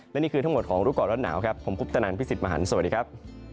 และนี่คือทั้งหมดของรู้ก่อนร้อนหนาวครับผมคุปตนันพี่สิทธิ์มหันฯสวัสดีครับ